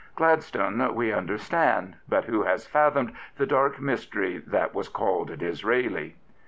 Glad stone we understand, but who has fathomed the dark mystery that was called Disraeli